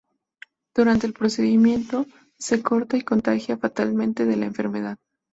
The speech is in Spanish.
Durante el procedimiento, se corta y contagia fatalmente de la enfermedad.